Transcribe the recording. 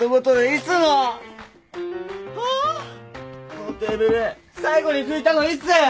このテーブル最後に拭いたのいつ！？